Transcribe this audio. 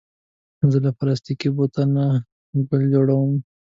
زه له پلاستيکي بوتل نه ګل جوړوم.